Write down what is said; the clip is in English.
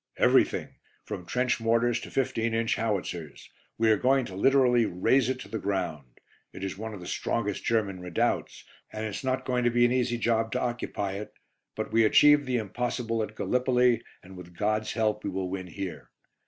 "Everything, from trench mortars to 15 inch howitzers. We are going to literally raze it to the ground. It is one of the strongest German redoubts, and it's not going to be an easy job to occupy it; but we achieved the impossible at Gallipoli, and with God's help we will win here.